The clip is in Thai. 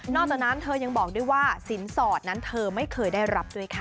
จากนั้นเธอยังบอกด้วยว่าสินสอดนั้นเธอไม่เคยได้รับด้วยค่ะ